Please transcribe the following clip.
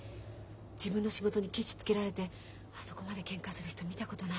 自分の仕事にケチつけられてあそこまでけんかする人見たことない。